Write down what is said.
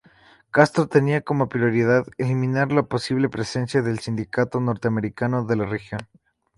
Castro tenía como prioridad eliminar la posible presencia del sindicato norteamericano en la región.